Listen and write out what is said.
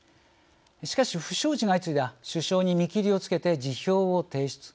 しかし不祥事が相次いだ首相に見切りをつけて辞表を提出。